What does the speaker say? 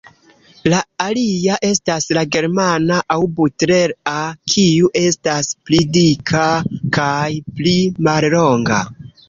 La alia estas la "Germana" aŭ "Butler"-a, kiu estas pli dika kaj pli mallonga.